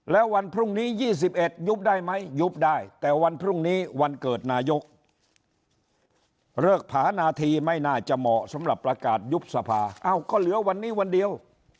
แล้ววันพรุ่งนี้๒๑ยุบได้ไหมยุบได้แต่วันพรุ่งนี้วันเกิดนายกเลิกผานาทีไม่น่าจะเหมาะสำหรับประกาศยุบสภาเอ้าก็เหลือวันนี้วันเดียว